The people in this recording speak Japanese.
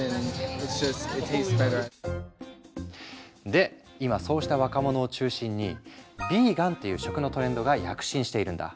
で今そうした若者を中心にヴィーガンっていう食のトレンドが躍進しているんだ。